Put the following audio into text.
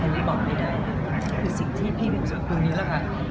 อันนี้บอกไม่ได้คือสิ่งที่พี่มีความสุขคลุมนี้ละค่ะ